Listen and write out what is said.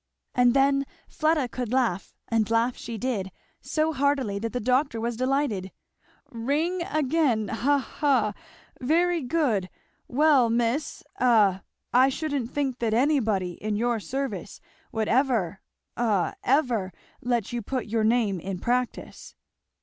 And then Fleda could laugh, and laugh she did, so heartily that the doctor was delighted. "Ring again! ha, ha! Very good! Well, Miss a I shouldn't think that anybody in your service would ever a ever let you put your name in practice."